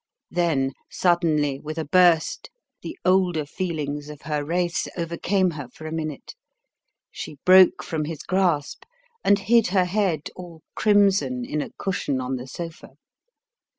Then suddenly, with a burst, the older feelings of her race overcame her for a minute; she broke from his grasp and hid her head, all crimson, in a cushion on the sofa.